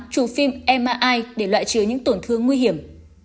trù phim mri để loại trừ những tổn thương nguy hiểm